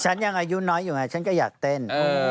ฉันยังอายุน้อยอยู่ไงฉันก็อยากเต้น